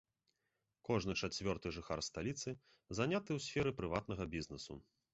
Кожны чацвёрты жыхар сталіцы заняты ў сферы прыватнага бізнэсу.